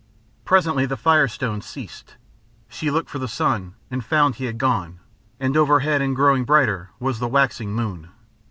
Presently the firestone ceased. She looked for the sun and found he had gone, and overhead and growing brighter was the waxing moon.